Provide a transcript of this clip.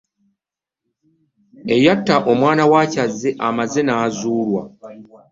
Eyatta omwana wa Kyazze yamaze n'azuulwa.